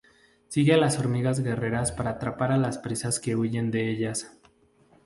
Sigue a las hormigas guerreras para atrapar las presas que huyen de ellas.